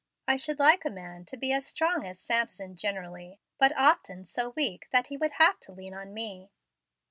I should like a man to be as strong as Samson generally, but often so weak that he would have to lean on me."